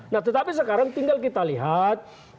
nah tetapi sekarang tinggal kita lihat